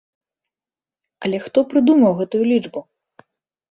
Але хто прыдумаў гэтую лічбу?!